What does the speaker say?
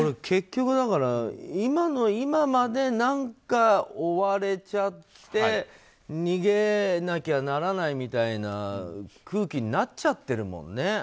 結局、今の今まで何か追われちゃって逃げなきゃならないみたいな空気になっちゃってるもんね。